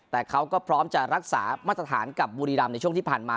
แต่เขาก็พร้อมจะรักษามาตรฐานกับบุรีรำในช่วงที่ผ่านมา